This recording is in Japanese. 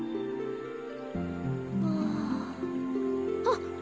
あっ！